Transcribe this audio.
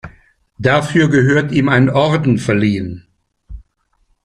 Dafür gehört ihm ein Orden verliehen.